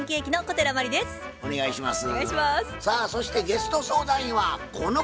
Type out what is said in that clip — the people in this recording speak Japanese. さあそしてゲスト相談員はこの方です。